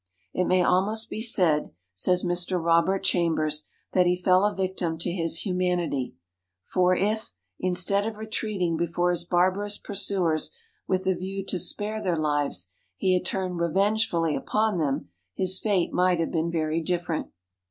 It may almost be said, says Mr. Robert Chambers, that he fell a victim to his humanity; for if, instead of retreating before his barbarous pursuers with a view to spare their lives, he had turned revengefully upon them, his fate might have been very different.